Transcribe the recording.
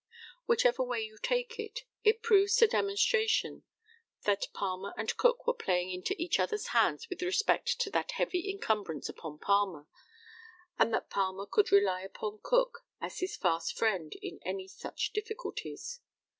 Whichever way you take it it proves to demonstration that Palmer and Cook were playing into each other's hands with respect to that heavy encumbrance upon Palmer, and that Palmer could rely upon Cook as his fast friend in any such difficulties.